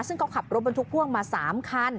ซึ่งเขาขับรถบรรทุกพ่วงมา๓คัน